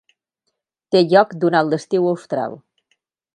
Té lloc durant l'estiu austral.